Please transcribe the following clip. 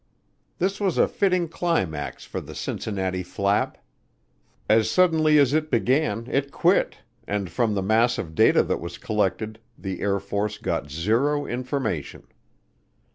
This was a fitting climax for the Cincinnati flap. As suddenly as it began it quit and from the mass of data that was collected the Air Force got zero information.